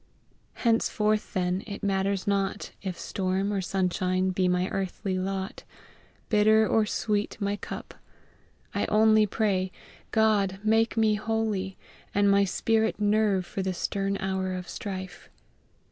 4. Henceforth, then, it matters not, if storm or sunshine be my | earthly lot, | bitter or sweet my | cup; | I only pray: "GOD make me holy, and my spirit nerve for the stern | hour of strife!"